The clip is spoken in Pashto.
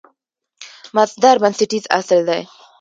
مصدر بنسټیز اصل دئ.